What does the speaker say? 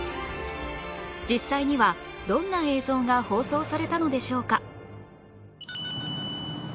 実際にはどんな映像が放送されたのでしょうか